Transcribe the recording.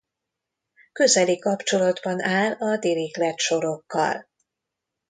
Közeli kapcsolatban áll a Dirichlet-sorokkal.